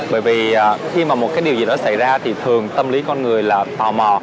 bởi vì khi mà một cái điều gì đó xảy ra thì thường tâm lý con người là tò mò